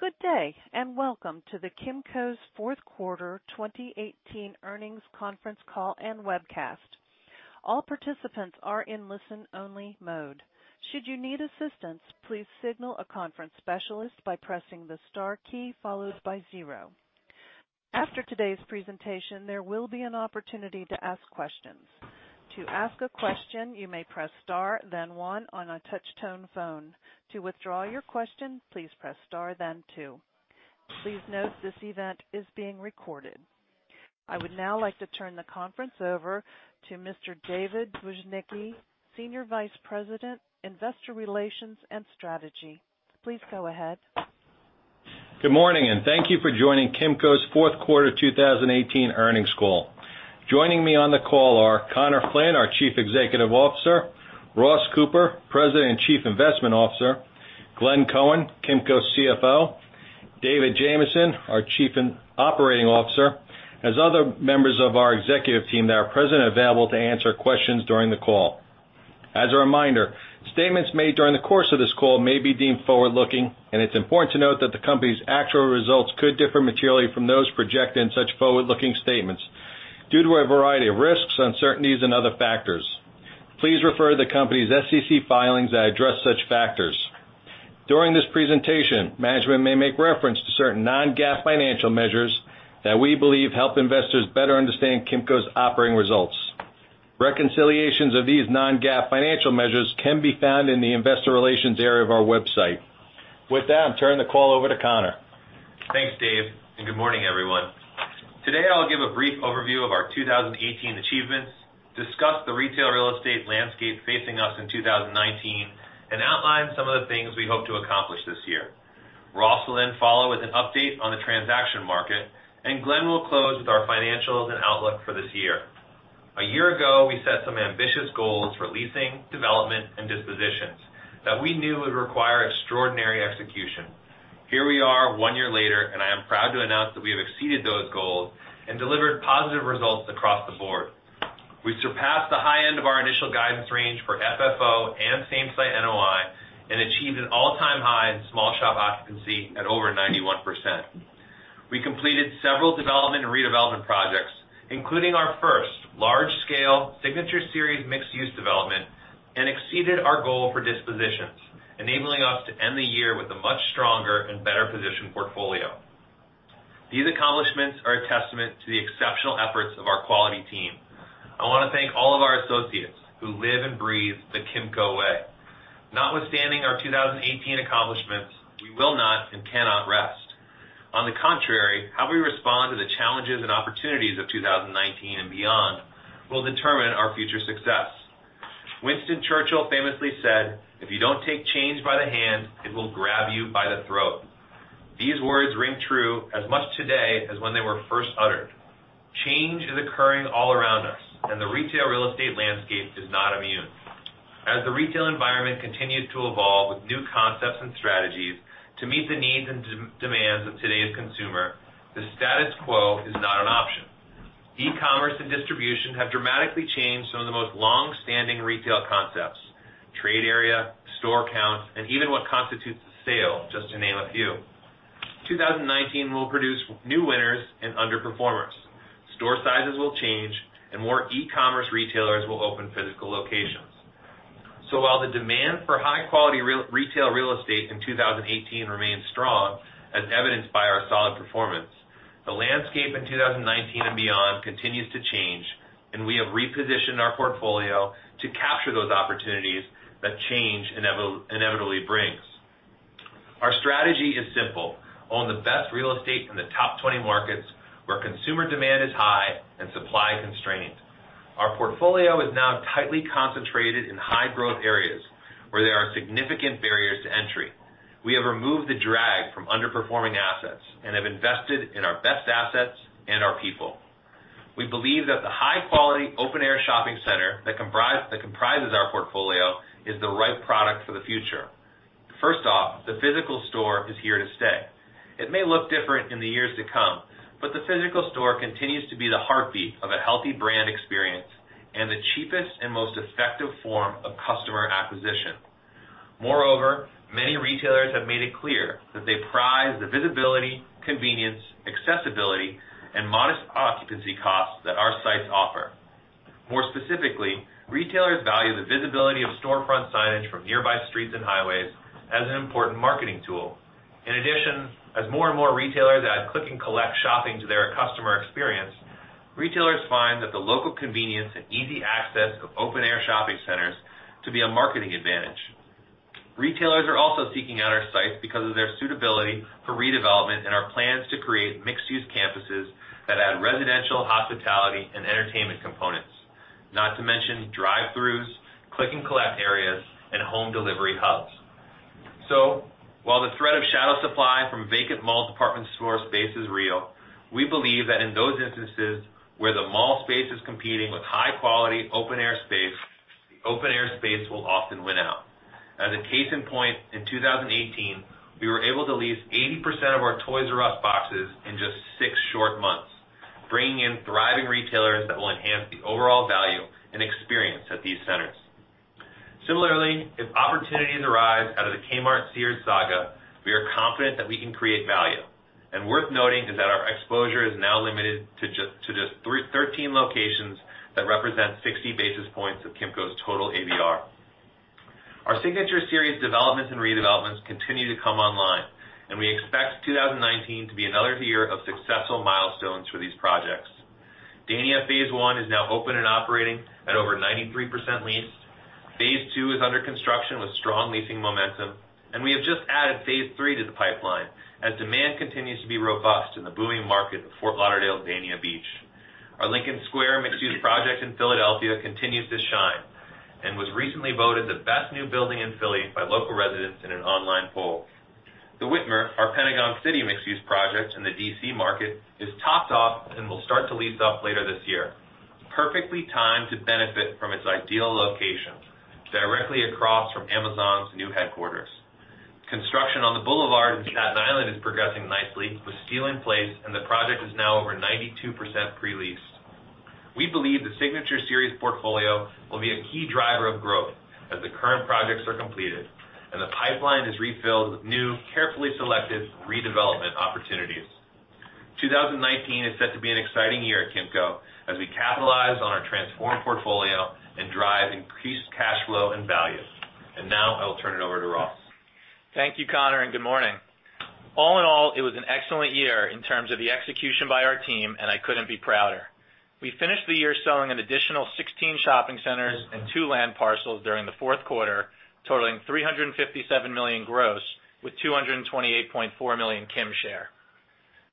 Good day, and welcome to the Kimco's fourth quarter 2018 earnings conference call and webcast. All participants are in listen-only mode. Should you need assistance, please signal a conference specialist by pressing the star key followed by zero. After today's presentation, there will be an opportunity to ask questions. To ask a question, you may press star then one on a touch-tone phone. To withdraw your question, please press star then two. Please note this event is being recorded. I would now like to turn the conference over to Mr. David Bujnicki, Senior Vice President, Investor Relations and Strategy. Please go ahead. Good morning, and thank you for joining Kimco's fourth quarter 2018 earnings call. Joining me on the call are Conor Flynn, our Chief Executive Officer, Ross Cooper, President and Chief Investment Officer, Glenn Cohen, Kimco CFO, David Jamieson, our Chief Operating Officer, as other members of our executive team that are present and available to answer questions during the call. As a reminder, statements made during the course of this call may be deemed forward-looking, and it's important to note that the company's actual results could differ materially from those projected in such forward-looking statements due to a variety of risks, uncertainties, and other factors. Please refer to the company's SEC filings that address such factors. During this presentation, management may make reference to certain non-GAAP financial measures that we believe help investors better understand Kimco's operating results. Reconciliations of these non-GAAP financial measures can be found in the investor relations area of our website. With that, I'm turning the call over to Conor. Thanks, Dave, and good morning, everyone. Today, I'll give a brief overview of our 2018 achievements, discuss the retail real estate landscape facing us in 2019, and outline some of the things we hope to accomplish this year. Ross will then follow with an update on the transaction market, and Glenn will close with our financials and outlook for this year. A year ago, we set some ambitious goals for leasing, development, and dispositions that we knew would require extraordinary execution. Here we are one year later, and I am proud to announce that we have exceeded those goals and delivered positive results across the board. We surpassed the high end of our initial guidance range for FFO and same-site NOI and achieved an all-time high in small shop occupancy at over 91%. We completed several development and redevelopment projects, including our first large-scale Signature Series mixed-use development, and exceeded our goal for dispositions, enabling us to end the year with a much stronger and better positioned portfolio. These accomplishments are a testament to the exceptional efforts of our quality team. I want to thank all of our associates who live and breathe the Kimco way. Notwithstanding our 2018 accomplishments, we will not and cannot rest. On the contrary, how we respond to the challenges and opportunities of 2019 and beyond will determine our future success. Winston Churchill famously said, "If you don't take change by the hand, it will grab you by the throat." These words ring true as much today as when they were first uttered. Change is occurring all around us, and the retail real estate landscape is not immune. As the retail environment continues to evolve with new concepts and strategies to meet the needs and demands of today's consumer, the status quo is not an option. E-commerce and distribution have dramatically changed some of the most longstanding retail concepts, trade area, store count, and even what constitutes a sale, just to name a few. 2019 will produce new winners and underperformers. Store sizes will change, and more e-commerce retailers will open physical locations. While the demand for high-quality retail real estate in 2018 remains strong, as evidenced by our solid performance, the landscape in 2019 and beyond continues to change, and we have repositioned our portfolio to capture those opportunities that change inevitably brings. Our strategy is simple. Own the best real estate in the top 20 markets where consumer demand is high and supply constrained. Our portfolio is now tightly concentrated in high-growth areas where there are significant barriers to entry. We have removed the drag from underperforming assets and have invested in our best assets and our people. We believe that the high-quality open-air shopping center that comprises our portfolio is the right product for the future. First off, the physical store is here to stay. It may look different in the years to come, but the physical store continues to be the heartbeat of a healthy brand experience and the cheapest and most effective form of customer acquisition. Moreover, many retailers have made it clear that they prize the visibility, convenience, accessibility, and modest occupancy costs that our sites offer. More specifically, retailers value the visibility of storefront signage from nearby streets and highways as an important marketing tool. In addition, as more and more retailers add click-and-collect shopping to their customer experience, retailers find that the local convenience and easy access of open-air shopping centers to be a marketing advantage. Retailers are also seeking out our sites because of their suitability for redevelopment and our plans to create mixed-use campuses that add residential, hospitality, and entertainment components. Not to mention drive-throughs, click-and-collect areas, and home delivery hubs. While the threat of shadow supply from vacant mall department store space is real, we believe that in those instances where the mall space is competing with high-quality open-air space, the open-air space will often win out. As a case in point, in 2018, we were able to lease 80% of our Toys "R" Us boxes in just six short months, bringing in thriving retailers that will enhance the overall valueThese centers. Similarly, if opportunities arise out of the Kmart-Sears saga, we are confident that we can create value. Worth noting is that our exposure is now limited to just 13 locations that represent 60 basis points of Kimco's total AVR. Our Signature Series developments and redevelopments continue to come online, and we expect 2019 to be another year of successful milestones for these projects. Dania Phase I is now open and operating at over 93% leased. Phase II is under construction with strong leasing momentum, and we have just added Phase III to the pipeline as demand continues to be robust in the booming market of Fort Lauderdale's Dania Beach. Our Lincoln Square mixed-use project in Philadelphia continues to shine and was recently voted the best new building in Philly by local residents in an online poll. The Witmer, our Pentagon Centre mixed-use project in the D.C. market, is topped off and will start to lease up later this year, perfectly timed to benefit from its ideal location directly across from Amazon's new headquarters. Construction on The Boulevard in Staten Island is progressing nicely with steel in place, and the project is now over 92% pre-leased. We believe the Signature Series portfolio will be a key driver of growth as the current projects are completed and the pipeline is refilled with new, carefully selected redevelopment opportunities. 2019 is set to be an exciting year at Kimco as we capitalize on our transformed portfolio and drive increased cash flow and value. Now I will turn it over to Ross. Thank you, Conor, and good morning. All in all, it was an excellent year in terms of the execution by our team, and I couldn't be prouder. We finished the year selling an additional 16 shopping centers and two land parcels during the fourth quarter, totaling $357 million gross with $228.4 million Kimco share.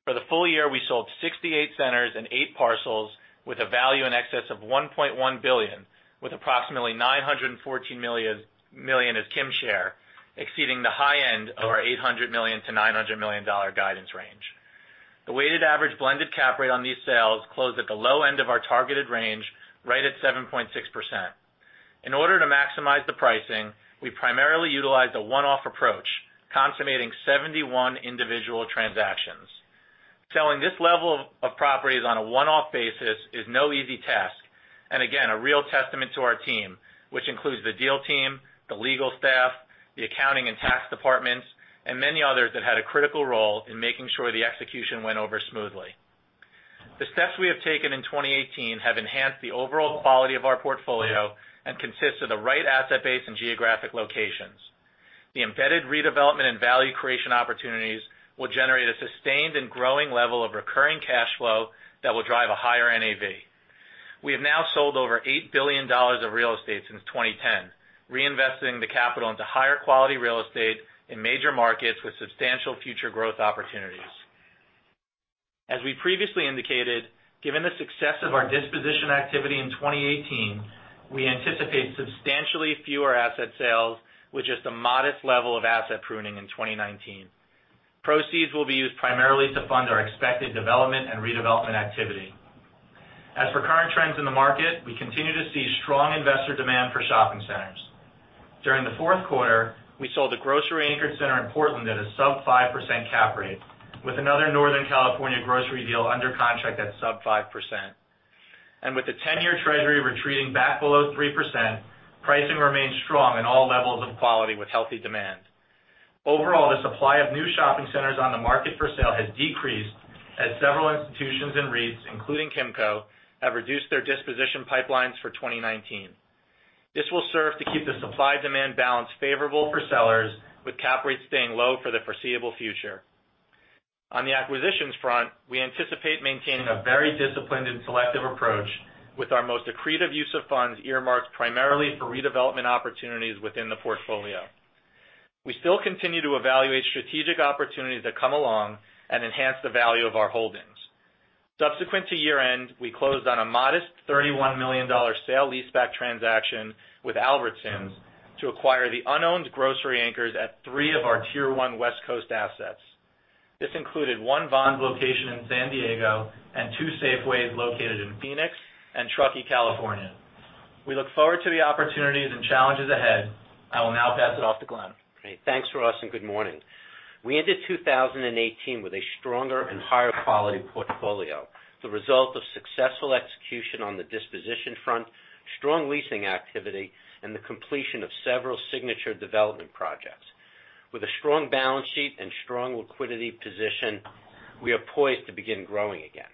For the full year, we sold 68 centers and eight parcels with a value in excess of $1.1 billion, with approximately $914 million as Kimco share, exceeding the high end of our $800 million-$900 million guidance range. The weighted average blended cap rate on these sales closed at the low end of our targeted range, right at 7.6%. In order to maximize the pricing, we primarily utilized a one-off approach, consummating 71 individual transactions. Selling this level of properties on a one-off basis is no easy task, again, a real testament to our team, which includes the deal team, the legal staff, the accounting and tax departments, and many others that had a critical role in making sure the execution went over smoothly. The steps we have taken in 2018 have enhanced the overall quality of our portfolio and consists of the right asset base and geographic locations. The embedded redevelopment and value creation opportunities will generate a sustained and growing level of recurring cash flow that will drive a higher NAV. We have now sold over $8 billion of real estate since 2010, reinvesting the capital into higher quality real estate in major markets with substantial future growth opportunities. As we previously indicated, given the success of our disposition activity in 2018, we anticipate substantially fewer asset sales with just a modest level of asset pruning in 2019. Proceeds will be used primarily to fund our expected development and redevelopment activity. As for current trends in the market, we continue to see strong investor demand for shopping centers. During the fourth quarter, we sold a grocery anchored center in Portland at a sub 5% cap rate with another Northern California grocery deal under contract at sub 5%. With the 10-year Treasury retreating back below 3%, pricing remains strong in all levels of quality with healthy demand. Overall, the supply of new shopping centers on the market for sale has decreased as several institutions and REITs, including Kimco, have reduced their disposition pipelines for 2019. This will serve to keep the supply-demand balance favorable for sellers with cap rates staying low for the foreseeable future. On the acquisitions front, we anticipate maintaining a very disciplined and selective approach with our most accretive use of funds earmarked primarily for redevelopment opportunities within the portfolio. We still continue to evaluate strategic opportunities that come along and enhance the value of our holdings. Subsequent to year-end, we closed on a modest $31 million sale-leaseback transaction with Albertsons to acquire the unowned grocery anchors at three of our Tier 1 West Coast assets. This included one Vons location in San Diego and two Safeway located in Phoenix and Truckee, California. We look forward to the opportunities and challenges ahead. I will now pass it off to Glenn. Great. Thanks, Ross, and good morning. We ended 2018 with a stronger and higher quality portfolio, the result of successful execution on the disposition front, strong leasing activity, and the completion of several signature development projects. With a strong balance sheet and strong liquidity position, we are poised to begin growing again.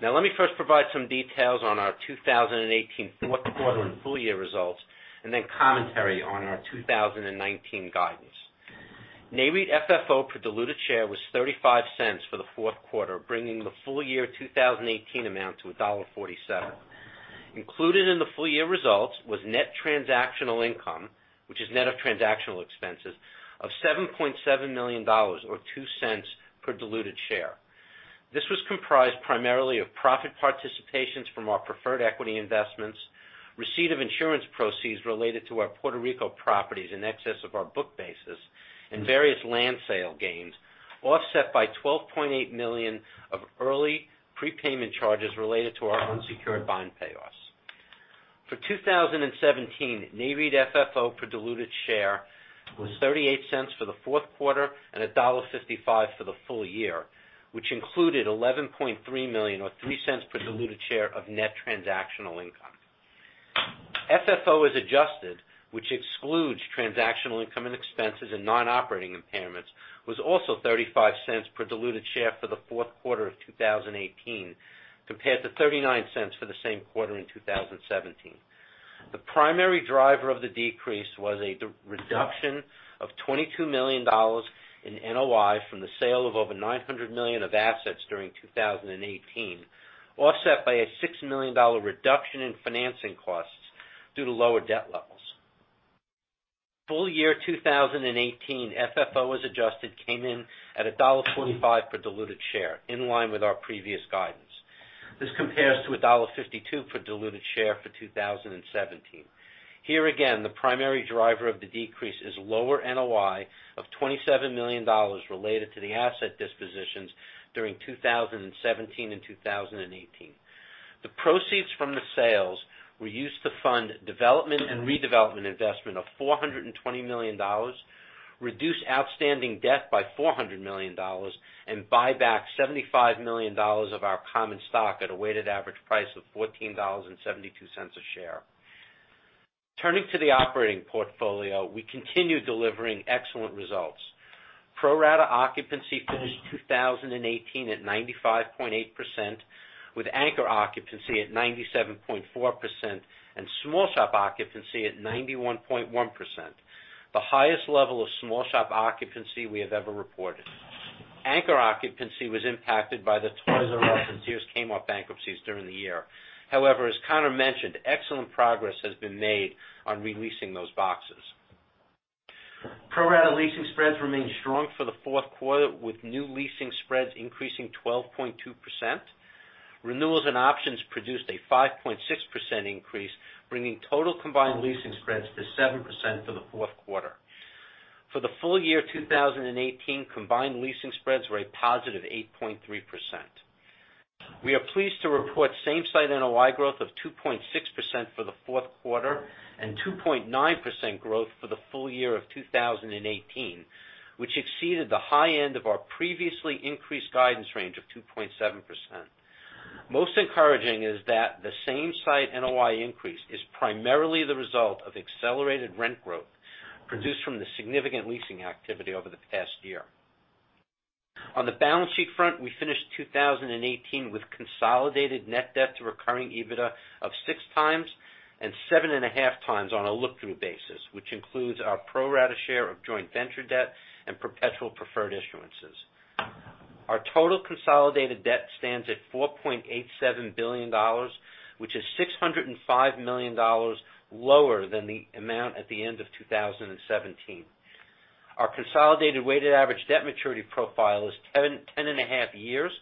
Let me first provide some details on our 2018 fourth quarter and full-year results, and then commentary on our 2019 guidance. NAREIT FFO per diluted share was $0.35 for the fourth quarter, bringing the full-year 2018 amount to $1.47. Included in the full-year results was net transactional income, which is net of transactional expenses, of $7.7 million, or $0.02 per diluted share. This was comprised primarily of profit participations from our preferred equity investments, receipt of insurance proceeds related to our Puerto Rico properties in excess of our book basis, and various land sale gains, offset by $12.8 million of early prepayment charges related to our unsecured bond payoffs. For 2017, NAREIT FFO per diluted share was $0.38 for the fourth quarter and $1.55 for the full year, which included $11.3 million or $0.03 per diluted share of net transactional income. FFO as adjusted, which excludes transactional income and expenses and non-operating impairments, was also $0.35 per diluted share for the fourth quarter of 2018, compared to $0.39 for the same quarter in 2017. The primary driver of the decrease was a reduction of $22 million in NOI from the sale of over $900 million of assets during 2018, offset by a $6 million reduction in financing costs due to lower debt levels. Full year 2018 FFO as adjusted came in at $1.45 per diluted share, in line with our previous guidance. This compares to $1.52 per diluted share for 2017. Here again, the primary driver of the decrease is lower NOI of $27 million related to the asset dispositions during 2017 and 2018. The proceeds from the sales were used to fund development and redevelopment investment of $420 million, reduce outstanding debt by $400 million, and buy back $75 million of our common stock at a weighted average price of $14.72 a share. Turning to the operating portfolio, we continue delivering excellent results. Pro rata occupancy finished 2018 at 95.8%, with anchor occupancy at 97.4% and small shop occupancy at 91.1%, the highest level of small shop occupancy we have ever reported. Anchor occupancy was impacted by the Toys "R" Us and Sears/Kmart bankruptcies during the year. However, as Conor mentioned, excellent progress has been made on re-leasing those boxes. Pro rata leasing spreads remained strong for the fourth quarter, with new leasing spreads increasing 12.2%. Renewals and options produced a 5.6% increase, bringing total combined leasing spreads to 7% for the fourth quarter. For the full year 2018, combined leasing spreads were a positive 8.3%. We are pleased to report same-site NOI growth of 2.6% for the fourth quarter and 2.9% growth for the full year of 2018, which exceeded the high end of our previously increased guidance range of 2.7%. Most encouraging is that the same-site NOI increase is primarily the result of accelerated rent growth produced from the significant leasing activity over the past year. On the balance sheet front, we finished 2018 with consolidated net debt to recurring EBITDA of six times and seven and a half times on a look-through basis, which includes our pro rata share of joint venture debt and perpetual preferred issuances. Our total consolidated debt stands at $4.87 billion, which is $605 million lower than the amount at the end of 2017. Our consolidated weighted average debt maturity profile is 10 and a half years,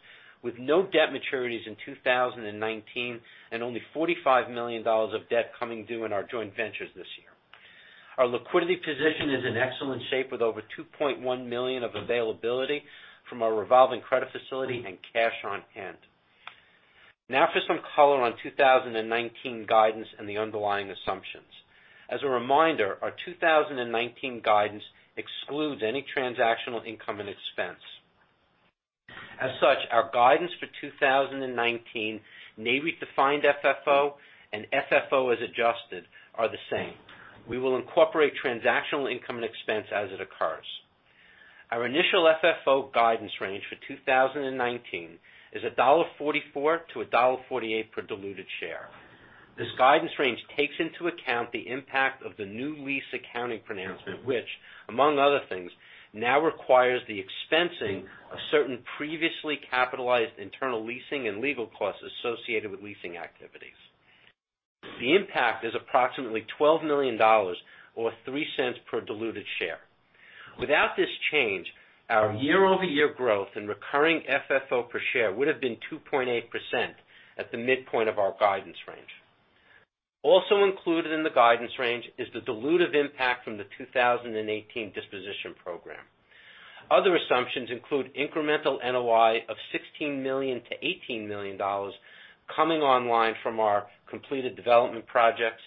with no debt maturities in 2019 and only $45 million of debt coming due in our joint ventures this year. Our liquidity position is in excellent shape, with over $2.1 million of availability from our revolving credit facility and cash on hand. Now for some color on 2019 guidance and the underlying assumptions. As a reminder, our 2019 guidance excludes any transactional income and expense. As such, our guidance for 2019, NAREIT-defined FFO, and FFO as adjusted are the same. We will incorporate transactional income and expense as it occurs. Our initial FFO guidance range for 2019 is $1.44-$1.48 per diluted share. This guidance range takes into account the impact of the new lease accounting pronouncement, which, among other things, now requires the expensing of certain previously capitalized internal leasing and legal costs associated with leasing activities. The impact is approximately $12 million, or $0.03 per diluted share. Without this change, our year-over-year growth in recurring FFO per share would have been 2.8% at the midpoint of our guidance range. Also included in the guidance range is the dilutive impact from the 2018 disposition program. Other assumptions include incremental NOI of $16 million-$18 million coming online from our completed development projects,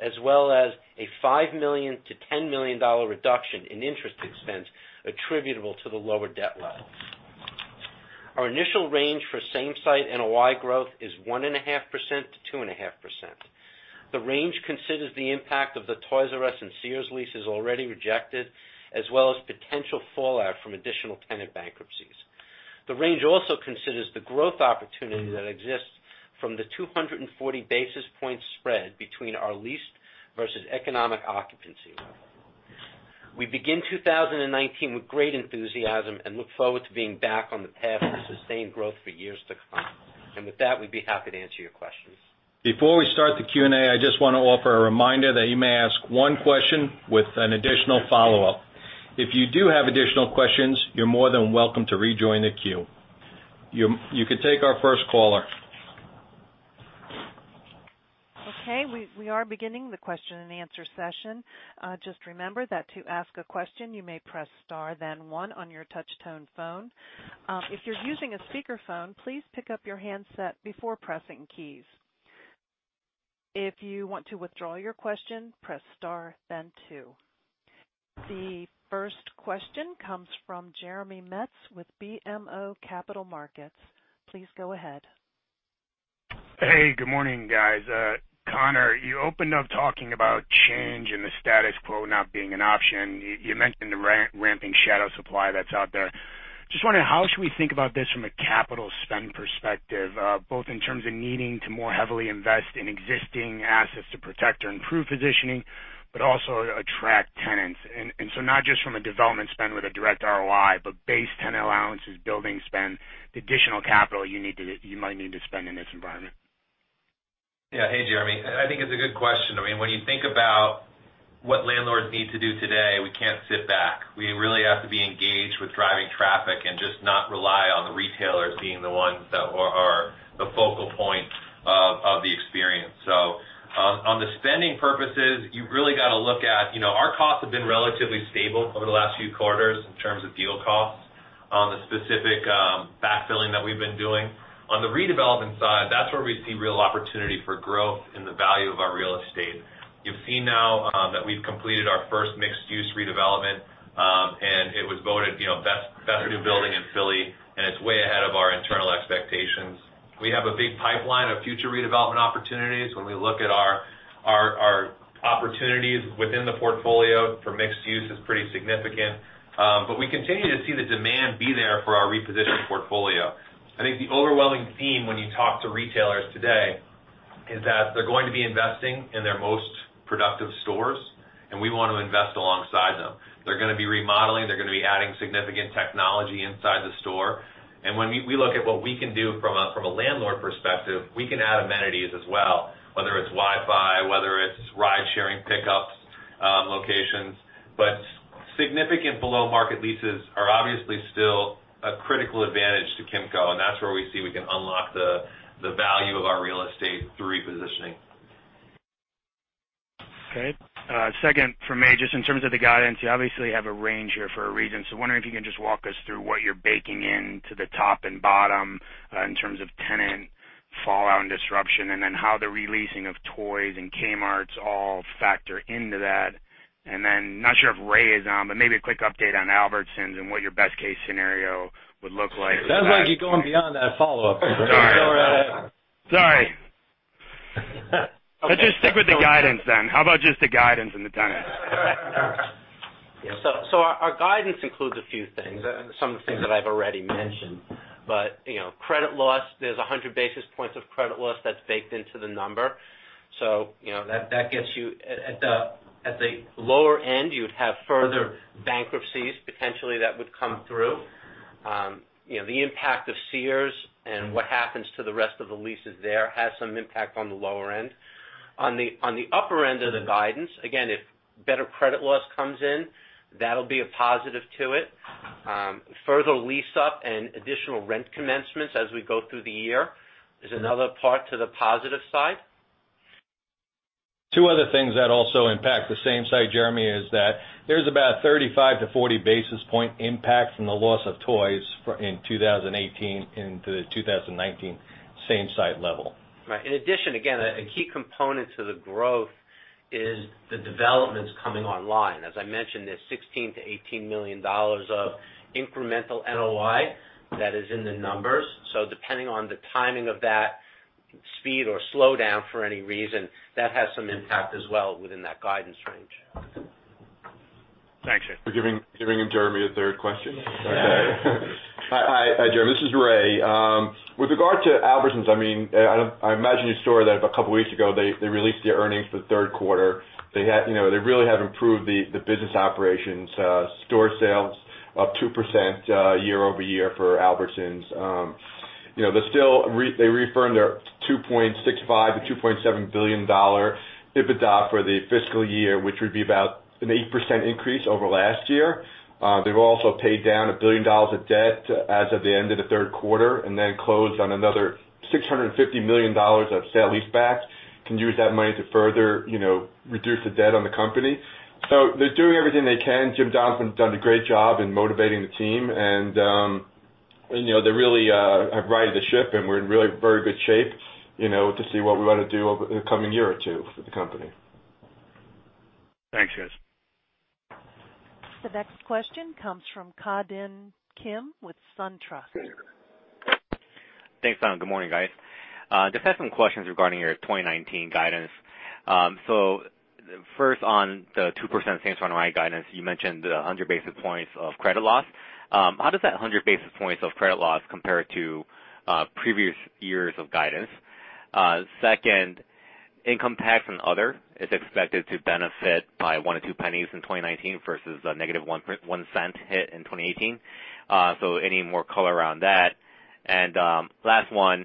as well as a $5 million-$10 million reduction in interest expense attributable to the lower debt levels. Our initial range for same-site NOI growth is 1.5%-2.5%. The range considers the impact of the Toys "R" Us and Sears leases already rejected, as well as potential fallout from additional tenant bankruptcies. The range also considers the growth opportunity that exists from the 240 basis point spread between our leased versus economic occupancy level. We begin 2019 with great enthusiasm and look forward to being back on the path of sustained growth for years to come. With that, we'd be happy to answer your questions. Before we start the Q&A, I just want to offer a reminder that you may ask one question with an additional follow-up. If you do have additional questions, you're more than welcome to rejoin the queue. You can take our first caller. Okay. We are beginning the question and answer session. Just remember that to ask a question, you may press star then one on your touch tone phone. If you're using a speakerphone, please pick up your handset before pressing keys. If you want to withdraw your question, press star then two. The first question comes from Jeremy Metz with BMO Capital Markets. Please go ahead. Hey, good morning, guys. Conor, you opened up talking about change and the status quo not being an option. You mentioned the ramping shadow supply that's out there. Just wondering, how should we think about this from a capital spend perspective, both in terms of needing to more heavily invest in existing assets to protect or improve positioning, but also attract tenants? Not just from a development spend with a direct ROI, but base tenant allowances, building spend, the additional capital you might need to spend in this environment. Yeah. Hey, Jeremy. I think it's a good question. When you think about what landlords need to do today, we can't sit back. We really have to be engaged with driving traffic and just not rely on the retailers being the ones that are the focal point of the experience. On the spending purposes, you really got to look at, our costs have been relatively stable over the last few quarters in terms of deal costs on the specific backfilling that we've been doing. On the redevelopment side, that's where we see real opportunity for growth in the value of our real estate. You've seen now that we've completed our first mixed-use redevelopment, and it was voted best new building in Philly, and it's way ahead of our internal expectations. We have a big pipeline of future redevelopment opportunities. When we look at our opportunities within the portfolio for mixed use, it's pretty significant. We continue to see the demand be there for our repositioned portfolio. I think the overwhelming theme when you talk to retailers today is that they're going to be investing in their most productive stores, and we want to invest alongside them. They're going to be remodeling, they're going to be adding significant technology inside the store. When we look at what we can do from a landlord perspective, we can add amenities as well, whether it's Wi-Fi, whether it's ride-sharing pickup locations. Significant below-market leases are obviously still a critical advantage to Kimco, and that's where we see we can unlock the value of our real estate through repositioning. Okay. Second from me, just in terms of the guidance, you obviously have a range here for a reason. Wondering if you can just walk us through what you're baking into the top and bottom in terms of tenant fallout and disruption, and then how the re-leasing of Toys "R" Us and Kmart all factor into that. Not sure if Ray is on, but maybe a quick update on Albertsons and what your best-case scenario would look like. Sounds like you're going beyond that follow-up. Sorry. Let's just stick with the guidance then. How about just the guidance and the timing? Our guidance includes a few things, and some of the things that I've already mentioned. Credit loss, there's 100 basis points of credit loss that's baked into the number. That gets you at the lower end, you'd have further bankruptcies potentially that would come through. The impact of Sears and what happens to the rest of the leases there has some impact on the lower end. On the upper end of the guidance, again, if better credit loss comes in, that'll be a positive to it. Further lease up and additional rent commencements as we go through the year is another part to the positive side. Two other things that also impact the same site, Jeremy, is that there's about 35-40 basis point impact from the loss of Toys in 2018 into the 2019 same site level. Right. In addition, again, a key component to the growth is the developments coming online. As I mentioned, there's $16 million-$18 million of incremental NOI that is in the numbers. Depending on the timing of that speed or slowdown for any reason, that has some impact as well within that guidance range. Thanks. You're giving Jeremy a third question? Hi, Jeremy. This is Ray. With regard to Albertsons, I imagine you saw that a couple of weeks ago, they released their earnings for the third quarter. They really have improved the business operations. Store sales up 2% year-over-year for Albertsons. They reaffirmed their $2.65 billion-$2.7 billion EBITDA for the fiscal year, which would be about an 8% increase over last year. They've also paid down $1 billion of debt as of the end of the third quarter and then closed on another $650 million of sale leasebacks. Can use that money to further reduce the debt on the company. They're doing everything they can. Jim Donald's done a great job in motivating the team, and they really have righted the ship, and we're in really very good shape to see what we want to do over the coming year or two for the company. Thanks, guys. The next question comes from Ki Bin Kim with SunTrust. Thanks. Good morning, guys. Just had some questions regarding your 2019 guidance. First on the 2% same NOI guidance, you mentioned 100 basis points of credit loss. How does that 100 basis points of credit loss compare to previous years of guidance? Second, income tax and other is expected to benefit by $0.01 or $0.02 in 2019 versus a negative $0.01 hit in 2018. Any more color around that? Last one,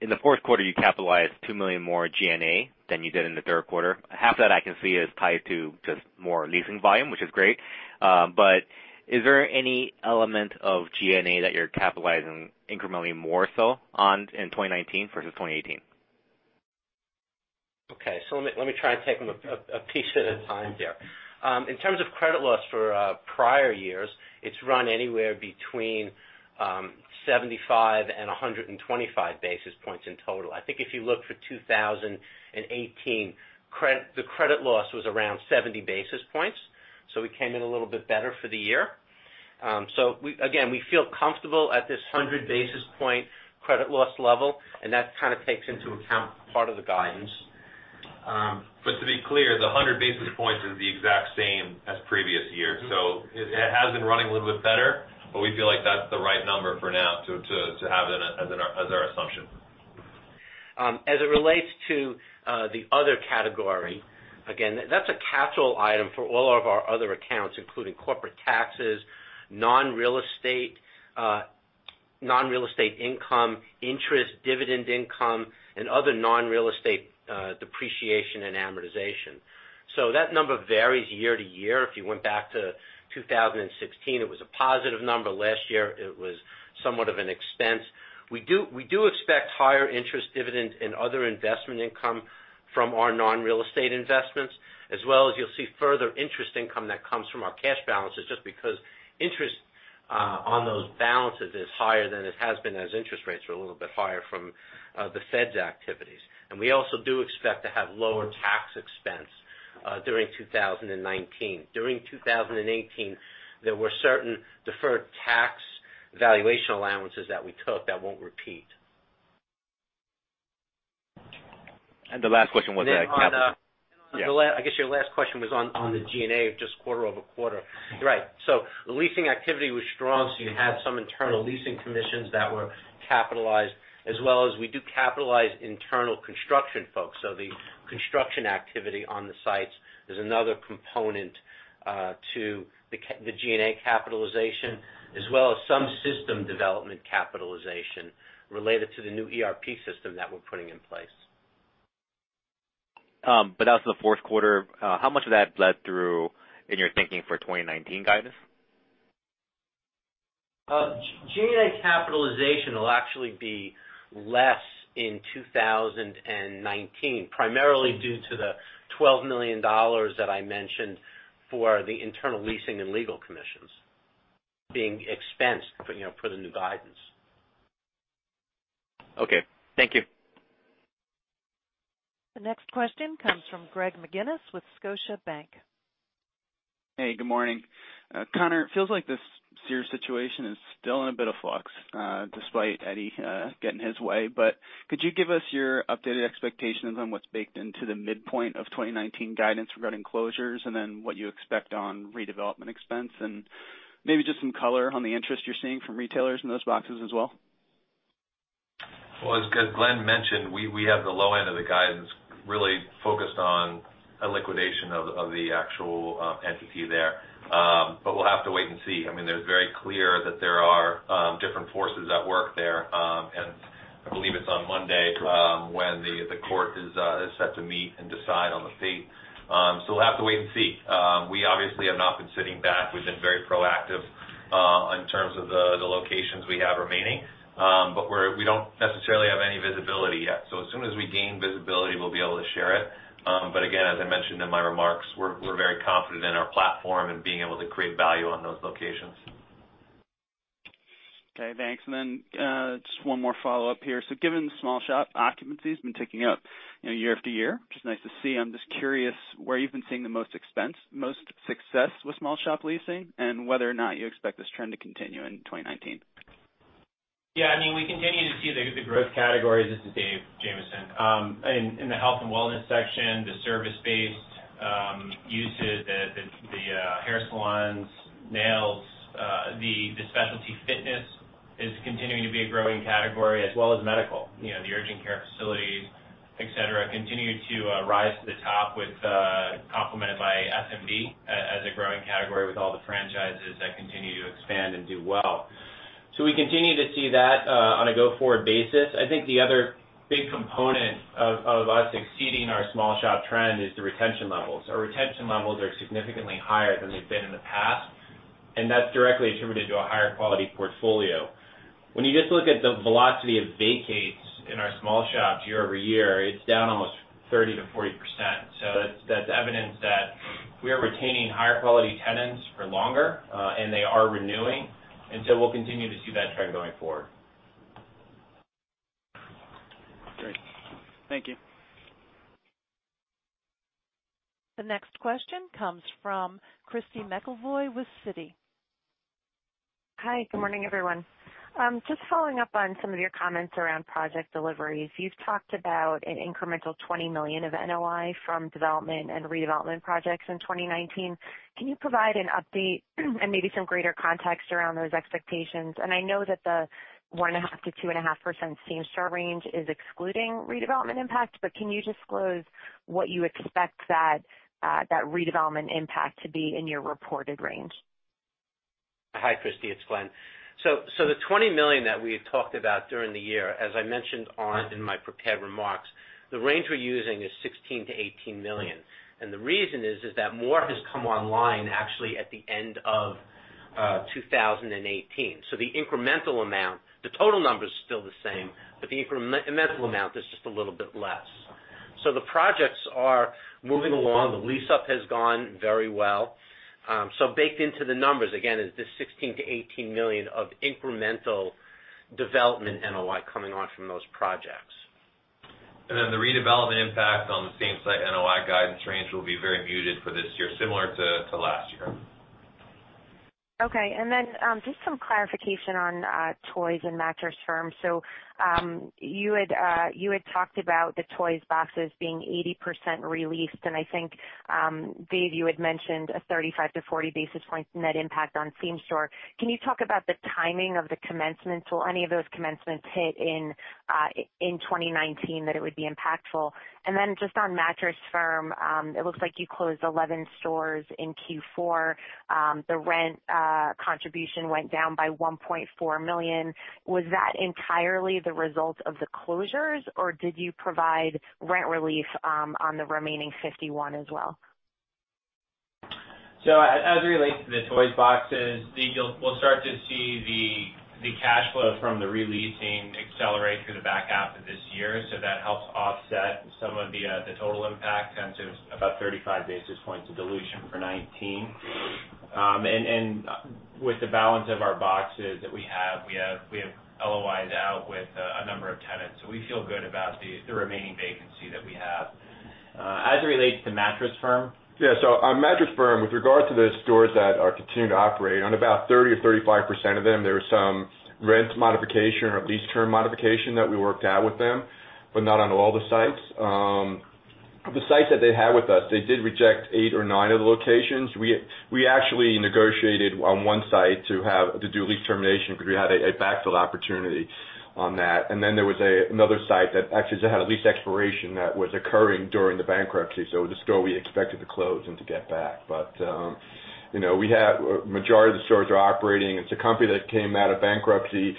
in the fourth quarter, you capitalized $2 million more G&A than you did in the third quarter. Half that I can see is tied to just more leasing volume, which is great. Is there any element of G&A that you're capitalizing incrementally more so on in 2019 versus 2018? Okay. Let me try and take them a piece at a time here. In terms of credit loss for prior years, it's run anywhere between 75 and 125 basis points in total. I think if you look for 2018, the credit loss was around 70 basis points, we came in a little bit better for the year. Again, we feel comfortable at this 100 basis point credit loss level, and that kind of takes into account part of the guidance. To be clear, the 100 basis points is the exact same as previous years. It has been running a little bit better, but we feel like that's the right number for now to have as our assumption. As it relates to the other category, again, that's a capital item for all of our other accounts, including corporate taxes, non-real estate income, interest, dividend income, and other non-real estate depreciation and amortization. That number varies year to year. If you went back to 2016, it was a positive number. Last year it was somewhat of an expense. We do expect higher interest dividend and other investment income from our non-real estate investments, as well as you'll see further interest income that comes from our cash balances just because interest on those balances is higher than it has been as interest rates are a little bit higher from the Fed's activities. We also do expect to have lower tax expense during 2019. During 2018, there were certain deferred tax valuation allowances that we took that won't repeat. The last question was on capital. Then on the- Yeah. I guess your last question was on the G&A, just quarter-over-quarter. Right. The leasing activity was strong, so you had some internal leasing commissions that were capitalized. We do capitalize internal construction folks. The construction activity on the sites is another component to the G&A capitalization, as well as some system development capitalization related to the new ERP system that we're putting in place. That was the fourth quarter. How much of that bled through in your thinking for 2019 guidance? G&A capitalization will actually be less in 2019, primarily due to the $12 million that I mentioned for the internal leasing and legal commissions being expensed for the new guidance. Okay. Thank you. The next question comes from Greg McGinniss with Scotiabank. Hey, good morning. Conor, it feels like the Sears situation is still in a bit of flux, despite Eddie getting his way. Could you give us your updated expectations on what's baked into the midpoint of 2019 guidance regarding closures, what you expect on redevelopment expense? Maybe just some color on the interest you're seeing from retailers in those boxes as well. Well, as Glenn mentioned, we have the low end of the guidance really focused on a liquidation of the actual entity there. We'll have to wait and see. There's very clear that there are different forces at work there. I believe it's on Monday when the court is set to meet and decide on the fate. We'll have to wait and see. We obviously have not been sitting back. We've been very proactive in terms of the locations we have remaining. We don't necessarily have any visibility yet. As soon as we gain visibility, we'll be able to share it. Again, as I mentioned in my remarks, we're very confident in our platform and being able to create value on those locations. Okay, thanks. Just one more follow-up here. Given small shop occupancy has been ticking up year after year, which is nice to see, I'm just curious where you've been seeing the most success with small shop leasing and whether or not you expect this trend to continue in 2019. We continue to see the growth categories. This is David Jamieson. In the health and wellness section, the service-based usage, the hair salons, nails, the specialty fitness is continuing to be a growing category as well as medical. The urgent care facilities, et cetera, continue to rise to the top complemented by F&B as a growing category with all the franchises that continue to expand and do well. We continue to see that on a go-forward basis. I think the other big component of us exceeding our small shop trend is the retention levels. Our retention levels are significantly higher than they've been in the past, and that's directly attributed to a higher quality portfolio. When you just look at the velocity of vacates in our small shops year-over-year, it's down almost 30%-40%. That's evidence that we are retaining higher quality tenants for longer, and they are renewing, and we'll continue to see that trend going forward. Great. Thank you. The next question comes from Christy McElroy with Citi. Hi, good morning, everyone. Just following up on some of your comments around project deliveries. You've talked about an incremental $20 million of NOI from development and redevelopment projects in 2019. Can you provide an update and maybe some greater context around those expectations? I know that the 1.5%-2.5% same-store range is excluding redevelopment impact, but can you disclose what you expect that redevelopment impact to be in your reported range? Hi, Christy. It's Glenn. The $20 million that we had talked about during the year, as I mentioned in my prepared remarks, the range we're using is $16 million-$18 million. The reason is that more has come online actually at the end of 2018. The incremental amount, the total number's still the same, but the incremental amount is just a little bit less. The projects are moving along. The lease-up has gone very well. Baked into the numbers, again, is this $16 million-$18 million of incremental development NOI coming on from those projects. The redevelopment impact on the same-site NOI guidance range will be very muted for this year, similar to last year. Okay, just some clarification on, Toys and Mattress Firm. You had talked about the Toys boxes being 80% released, and I think, Dave, you had mentioned a 35-40 basis points net impact on same-store. Can you talk about the timing of the commencements? Will any of those commencements hit in 2019 that it would be impactful? Just on Mattress Firm, it looks like you closed 11 stores in Q4. The rent contribution went down by $1.4 million. Was that entirely the result of the closures, or did you provide rent relief on the remaining 51 as well? As it relates to the Toys boxes, Dave, we'll start to see the cash flow from the re-leasing accelerate through the back half of this year. That helps offset some of the total impact down to about 35 basis points of dilution for 2019. With the balance of our boxes that we have, we have LOIs out with a number of tenants. We feel good about the remaining vacancy that we have. As it relates to Mattress Firm. Yeah. On Mattress Firm, with regard to the stores that are continuing to operate, on about 30% or 35% of them, there was some rent modification or lease term modification that we worked out with them, but not on all the sites. The sites that they had with us, they did reject eight or nine of the locations. We actually negotiated on one site to do a lease termination because we had a backfill opportunity on that. Then there was another site that actually had a lease expiration that was occurring during the bankruptcy, it was a store we expected to close and to get back. The majority of the stores are operating. It's a company that came out of bankruptcy,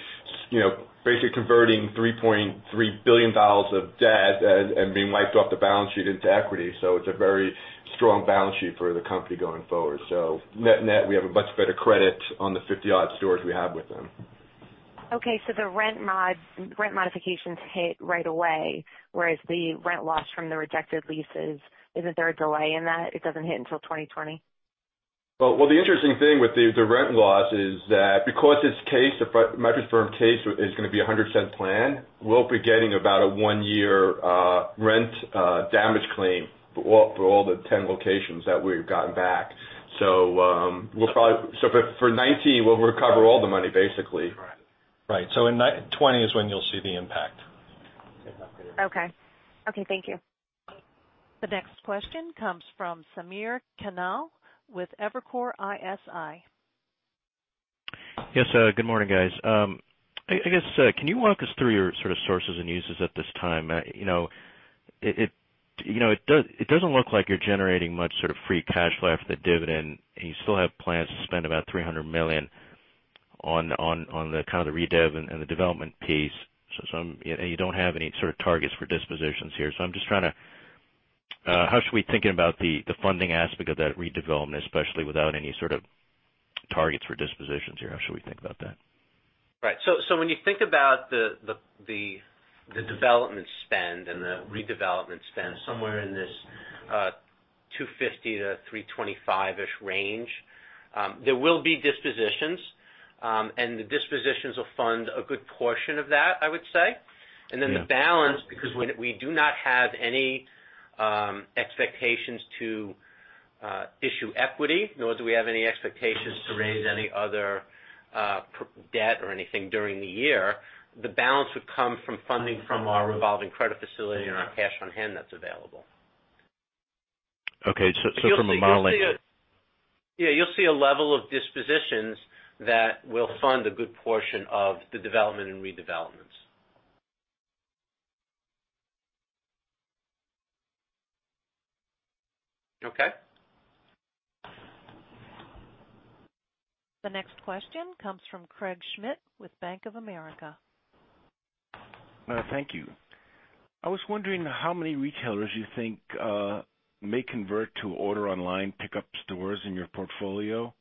basically converting $3.3 billion of debt and being wiped off the balance sheet into equity. It's a very strong balance sheet for the company going forward. Net-net, we have a much better credit on the 50-odd stores we have with them. Okay, the rent modifications hit right away, whereas the rent loss from the rejected leases, isn't there a delay in that? It doesn't hit until 2020? The interesting thing with the rent loss is that because this case, the Mattress Firm case, is going to be a $1.00 Plan, we'll be getting about a one-year rent damage claim for all the 10 locations that we've gotten back. For 2019, we'll recover all the money, basically. Right. In 2020 is when you'll see the impact. Okay. Thank you. The next question comes from Samir Khanal with Evercore ISI. Yes, good morning, guys. I guess, can you walk us through your sources and uses at this time? It doesn't look like you're generating much free cash flow after the dividend, and you still have plans to spend about $300 million on the kind of the redev and the development piece. You don't have any sort of targets for dispositions here. I'm just trying to how should we think about the funding aspect of that redevelopment, especially without any sort of targets for dispositions here? How should we think about that? Right. When you think about the development spend and the redevelopment spend, somewhere in this, $250-$325-ish range, there will be dispositions. The dispositions will fund a good portion of that, I would say. Yeah. The balance, because we do not have any expectations to issue equity, nor do we have any expectations to raise any other debt or anything during the year. The balance would come from funding from our revolving credit facility and our cash on hand that's available. Okay. From a modeling- Yeah, you'll see a level of dispositions that will fund a good portion of the development and redevelopments. Okay? The next question comes from Craig Schmidt with Bank of America. Thank you I was wondering how many retailers you think may convert to order online pickup stores in your portfolio?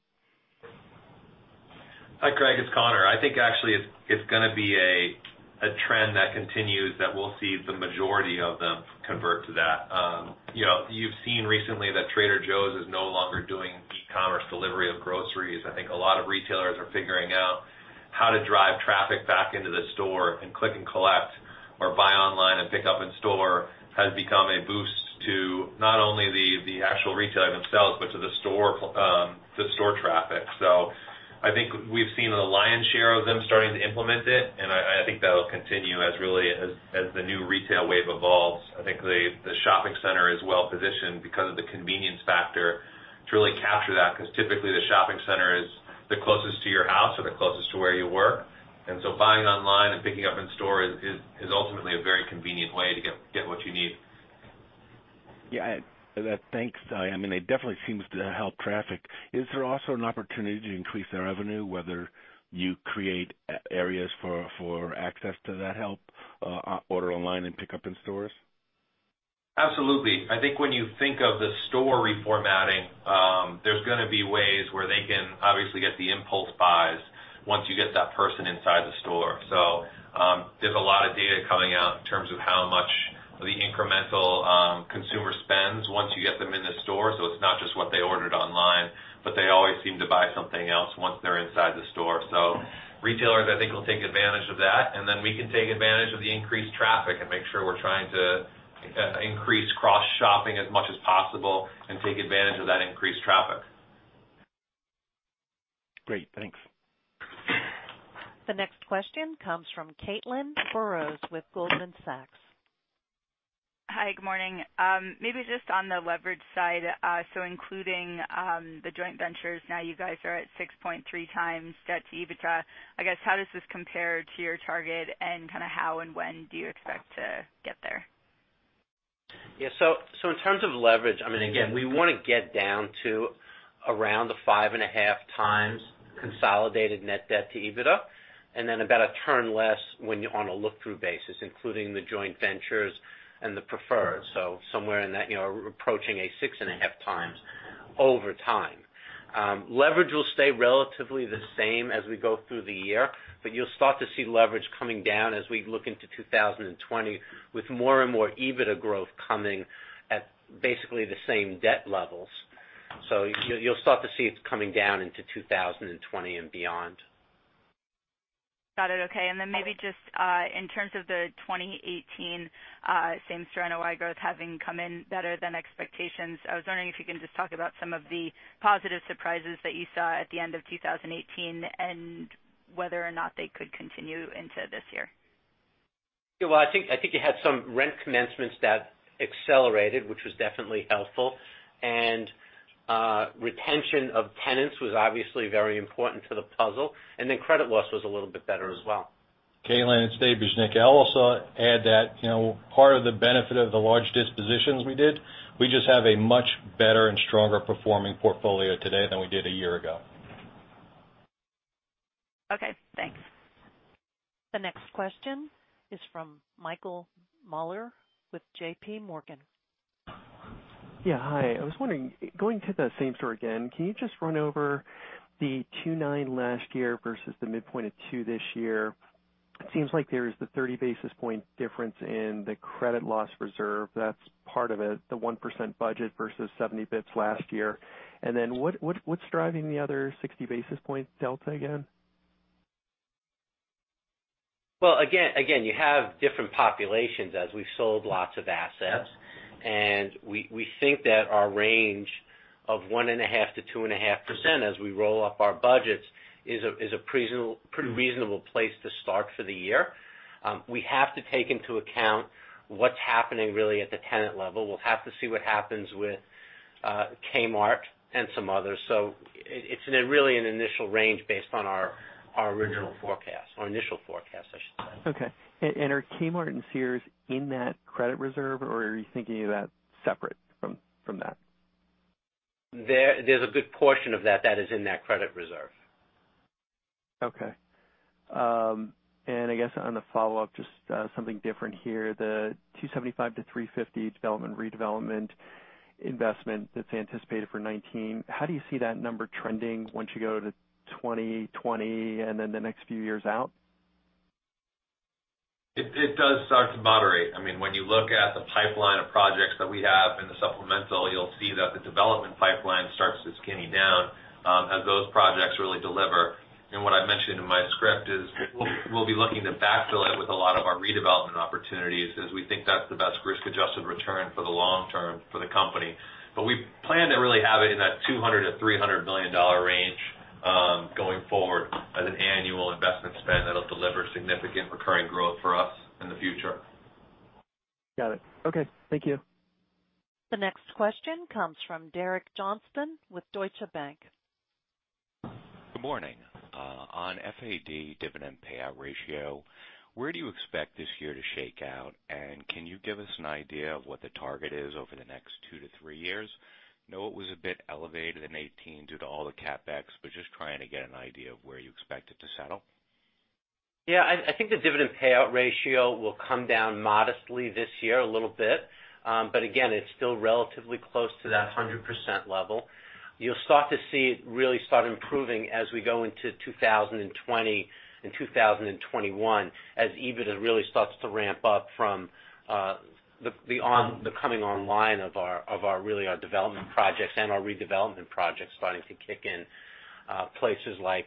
Hi, Craig. It's Conor. I think actually it's going to be a trend that continues that we'll see the majority of them convert to that. You've seen recently that Trader Joe's is no longer doing e-commerce delivery of groceries. I think a lot of retailers are figuring out how to drive traffic back into the store, click and collect or buy online and pick up in-store has become a boost to not only the actual retailer themselves, but to the store traffic. I think we've seen the lion's share of them starting to implement it, I think that'll continue as the new retail wave evolves. I think the shopping center is well-positioned because of the convenience factor to really capture that. Typically, the shopping center is the closest to your house or the closest to where you work. Buying online and picking up in store is ultimately a very convenient way to get what you need. Yeah. Thanks. It definitely seems to help traffic. Is there also an opportunity to increase their revenue, whether you create areas for access to that help, order online and pick up in stores? Absolutely. I think when you think of the store reformatting, there's going to be ways where they can obviously get the impulse buys once you get that person inside the store. There's a lot of data coming out in terms of how much the incremental consumer spends once you get them in the store. It's not just. Retailers, I think, will take advantage of that, and then we can take advantage of the increased traffic and make sure we're trying to increase cross-shopping as much as possible and take advantage of that increased traffic. Great. Thanks. The next question comes from Caitlin Burrows with Goldman Sachs. Hi. Good morning. Maybe just on the leverage side. Including the joint ventures, now you guys are at 6.3 times debt to EBITDA. I guess, how does this compare to your target and kind of how and when do you expect to get there? In terms of leverage, again, we want to get down to around the 5.5 times consolidated net debt to EBITDA, and then about a turn less when you're on a look-through basis, including the joint ventures and the preferred. Somewhere in that, approaching a 6.5 times over time. Leverage will stay relatively the same as we go through the year, but you'll start to see leverage coming down as we look into 2020 with more and more EBITDA growth coming at basically the same debt levels. You'll start to see it coming down into 2020 and beyond. Got it. Okay. Then maybe just in terms of the 2018 same-store NOI growth having come in better than expectations, I was wondering if you can just talk about some of the positive surprises that you saw at the end of 2018 and whether or not they could continue into this year. Yeah. Well, I think you had some rent commencements that accelerated, which was definitely helpful, retention of tenants was obviously very important to the puzzle. Then credit loss was a little bit better as well. Caitlin, it's David Bujnicki. I'll also add that, part of the benefit of the large dispositions we did, we just have a much better and stronger performing portfolio today than we did a year ago. Okay, thanks. The next question is from Michael Mueller with JPMorgan. Yeah, hi. I was wondering, going to the same store again, can you just run over the 2.9 last year versus the midpoint of two this year? It seems like there is the 30 basis point difference in the credit loss reserve that's part of it, the 1% budget versus 70 basis points last year. What's driving the other 60 basis point delta again? Well, again, you have different populations as we've sold lots of assets. We think that our range of 1.5%-2.5% as we roll up our budgets is a pretty reasonable place to start for the year. We have to take into account what's happening really at the tenant level. We'll have to see what happens with Kmart and some others. It's really an initial range based on our original forecast or initial forecast, I should say. Okay. Are Kmart and Sears in that credit reserve, or are you thinking of that separate from that? There's a good portion of that that is in that credit reserve. Okay. I guess on the follow-up, just something different here. The $275-$350 development, redevelopment investment that's anticipated for 2019, how do you see that number trending once you go to 2020 and then the next few years out? It does start to moderate. When you look at the pipeline of projects that we have in the supplemental, you'll see that the development pipeline starts to skinny down, as those projects really deliver. What I mentioned in my script is we'll be looking to backfill it with a lot of our redevelopment opportunities as we think that's the best risk-adjusted return for the long term for the company. We plan to really have it in that $200 million-$300 million range, going forward as an annual investment spend that'll deliver significant recurring growth for us in the future. Got it. Okay. Thank you. The next question comes from Derek Johnston with Deutsche Bank. Good morning. On FAD dividend payout ratio, where do you expect this year to shake out? Can you give us an idea of what the target is over the next two to three years? I know it was a bit elevated in 2018 due to all the CapEx, just trying to get an idea of where you expect it to settle. I think the dividend payout ratio will come down modestly this year a little bit. Again, it's still relatively close to that 100% level. You'll start to see it really start improving as we go into 2020 and 2021 as EBITDA really starts to ramp up from the coming online of our development projects and our redevelopment projects starting to kick in. Places like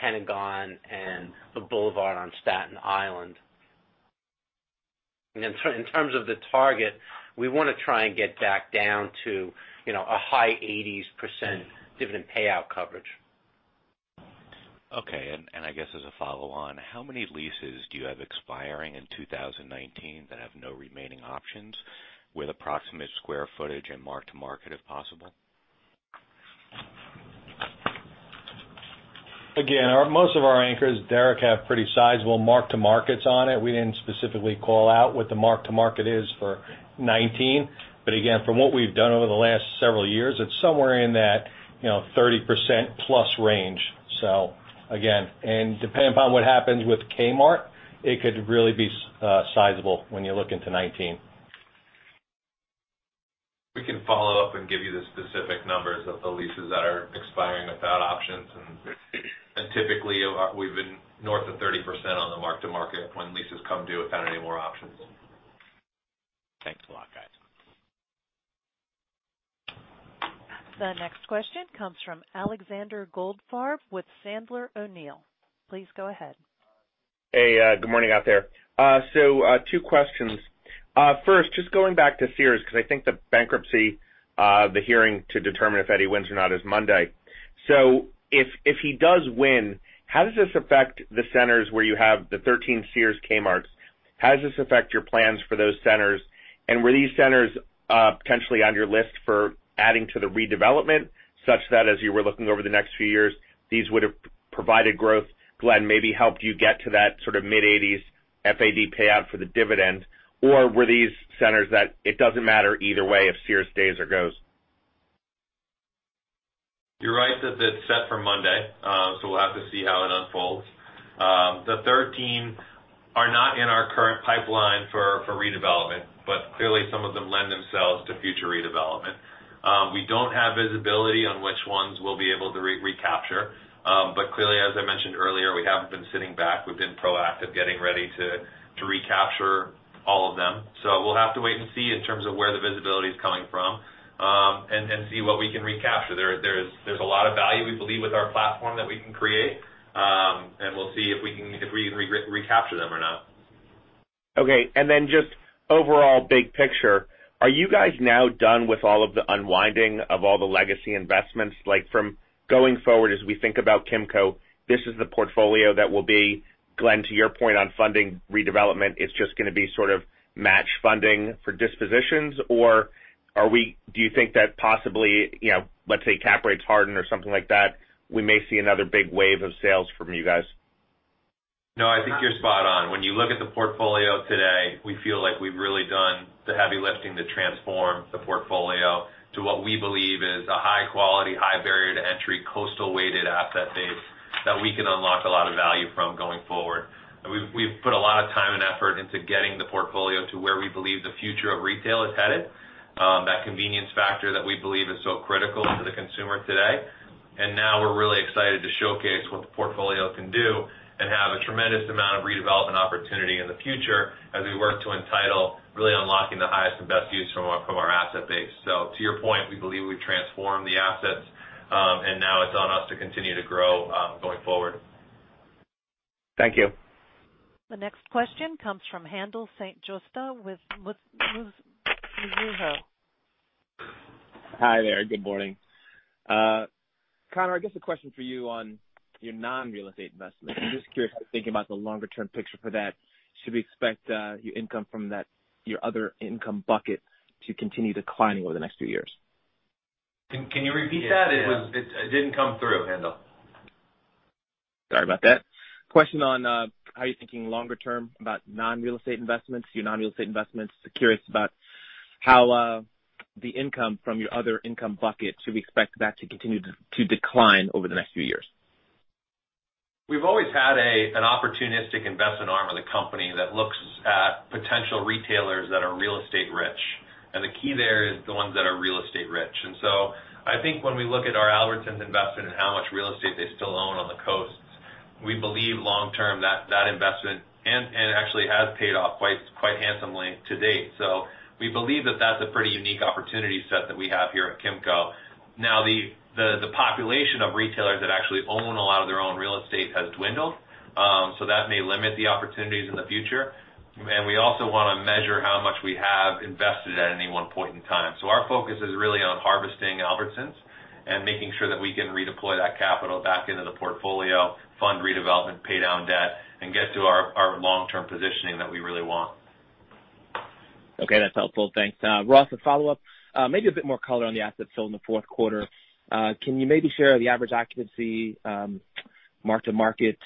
Pentagon and the Boulevard on Staten Island. In terms of the target, we want to try and get back down to a high 80s% dividend payout coverage. Okay. I guess as a follow on, how many leases do you have expiring in 2019 that have no remaining options with approximate square footage and mark-to-market, if possible? Again, most of our anchors, Derek, have pretty sizable mark-to-markets on it. We didn't specifically call out what the mark-to-market is for 2019, again, from what we've done over the last several years, it's somewhere in that 30%+ range. Depending upon what happens with Kmart, it could really be sizable when you look into 2019. We can follow up and give you the specific numbers of the leases that are expiring without options. Typically, we've been north of 30% on the mark-to-market when leases come due without any more options. Thanks a lot, guys. The next question comes from Alexander Goldfarb with Sandler O'Neill. Please go ahead. Hey, good morning out there. Two questions. First, just going back to Sears, because I think the bankruptcy, the hearing to determine if Eddie wins or not is Monday. If he does win, how does this affect the centers where you have the 13 Sears Kmart's? How does this affect your plans for those centers? Were these centers, potentially on your list for adding to the redevelopment, such that as you were looking over the next few years, these would have provided growth, Glenn, maybe helped you get to that sort of mid-eighties FAD payout for the dividend? Were these centers that it doesn't matter either way if Sears stays or goes? You're right that it's set for Monday. We'll have to see how it unfolds. The 13 are not in our current pipeline for redevelopment, clearly some of them lend themselves to future redevelopment. We don't have visibility on which ones we'll be able to recapture. Clearly, as I mentioned earlier, we haven't been sitting back. We've been proactive, getting ready to recapture all of them. We'll have to wait and see in terms of where the visibility is coming from, and see what we can recapture. There's a lot of value we believe with our platform that we can create. We'll see if we can recapture them or not. Okay. Just overall big picture, are you guys now done with all of the unwinding of all the legacy investments? Like from going forward, as we think about Kimco, this is the portfolio that will be, Glenn, to your point on funding redevelopment, it's just going to be sort of match funding for dispositions. Do you think that possibly, let's say cap rates harden or something like that, we may see another big wave of sales from you guys? No, I think you're spot on. When you look at the portfolio today, we feel like we've really done the heavy lifting to transform the portfolio to what we believe is a high-quality, high barrier to entry, coastal-weighted asset base that we can unlock a lot of value from going forward. We've put a lot of time and effort into getting the portfolio to where we believe the future of retail is headed. That convenience factor that we believe is so critical to the consumer today. We're really excited to showcase what the portfolio can do and have a tremendous amount of redevelopment opportunity in the future as we work to entitle, really unlocking the highest and best use from our asset base. To your point, we believe we've transformed the assets, and now it's on us to continue to grow, going forward. Thank you. The next question comes from Haendel St. Juste with Mizuho. Hi there. Good morning. Conor, I guess a question for you on your non-real estate investments. I'm just curious, thinking about the longer-term picture for that. Should we expect your income from your other income bucket to continue declining over the next few years? Can you repeat that? It didn't come through, Haendel. Sorry about that. Question on how you're thinking longer term about non-real estate investments, your non-real estate investments. Curious about how the income from your other income bucket, should we expect that to continue to decline over the next few years? We've always had an opportunistic investment arm of the company that looks at potential retailers that are real estate rich. The key there is the ones that are real estate rich. I think when we look at our Albertsons investment and how much real estate they still own on the coasts, we believe long-term that investment actually has paid off quite handsomely to date. We believe that that's a pretty unique opportunity set that we have here at Kimco. Now, the population of retailers that actually own a lot of their own real estate has dwindled. That may limit the opportunities in the future. We also want to measure how much we have invested at any one point in time. Our focus is really on harvesting Albertsons and making sure that we can redeploy that capital back into the portfolio, fund redevelopment, pay down debt, and get to our long-term positioning that we really want. Okay, that's helpful. Thanks. Ross, a follow-up, maybe a bit more color on the assets sold in the fourth quarter. Can you maybe share the average occupancy, mark-to-market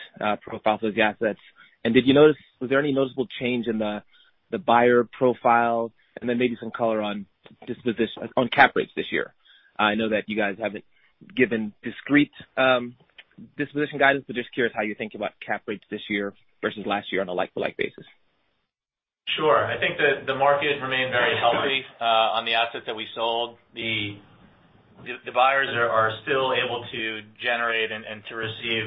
profile for the assets? Was there any noticeable change in the buyer profile? Then maybe some color on cap rates this year. I know that you guys haven't given discrete disposition guidance, but just curious how you think about cap rates this year versus last year on a like-to-like basis. Sure. I think that the market remained very healthy, on the assets that we sold. The buyers are still able to generate and to receive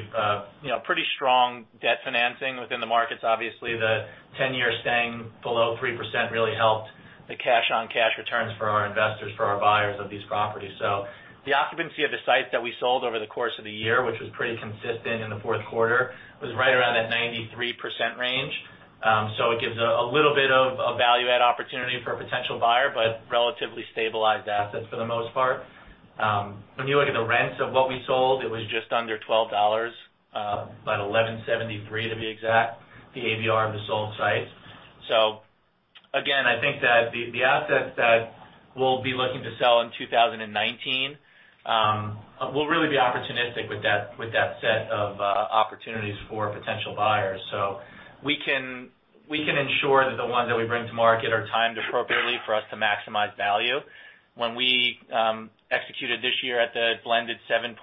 pretty strong debt financing within the markets. Obviously, the 10-year staying below 3% really helped the cash-on-cash returns for our investors, for our buyers of these properties. The occupancy of the sites that we sold over the course of the year, which was pretty consistent in the fourth quarter, was right around that 93% range. It gives a little bit of a value-add opportunity for a potential buyer, but relatively stabilized assets for the most part. When you look at the rents of what we sold, it was just under $12, about $11.73 to be exact, the AVR of the sold sites. Again, I think that the assets that we'll be looking to sell in 2019, we'll really be opportunistic with that set of opportunities for potential buyers. We can ensure that the ones that we bring to market are timed appropriately for us to maximize value. When we executed this year at the blended 7.6%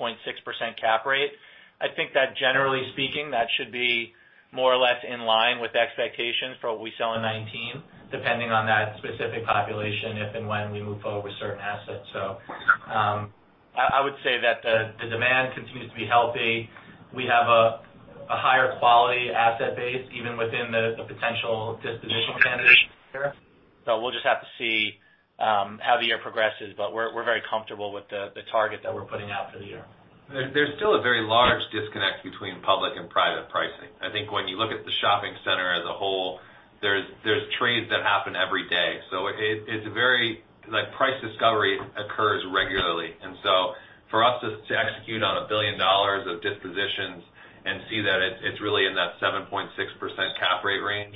cap rate, I think that generally speaking, that should be more or less in line with expectations for what we sell in 2019, depending on that specific population, if and when we move forward with certain assets. I would say that the demand continues to be healthy. Asset base, even within the potential disposition standards this year. We'll just have to see how the year progresses, but we're very comfortable with the target that we're putting out for the year. There's still a very large disconnect between public and private pricing. I think when you look at the shopping center as a whole, there's trades that happen every day. Price discovery occurs regularly. For us to execute on $1 billion of dispositions and see that it's really in that 7.6% cap rate range,